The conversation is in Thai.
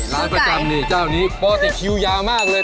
ร้านประจำนี่เจ้านี้ปกติคิวยาวมากเลย